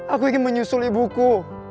aku ingin menyusul ibuku